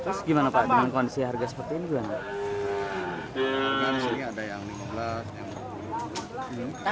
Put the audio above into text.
terus gimana pak dengan kondisi harga seperti ini gimana